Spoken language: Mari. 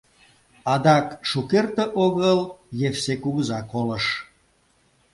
Адак шукерте огыл Евсе кугыза колыш.